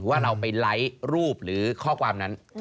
ว่าเราไปไลค์รูปหรือข้อความนั้น